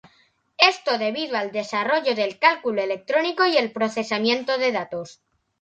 Esto debido al desarrollo del cálculo electrónico y el procesamiento de datos.